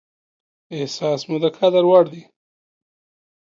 احساس مو د قدر وړ دى.